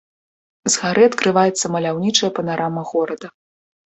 З гары адкрываецца маляўнічая панарама горада.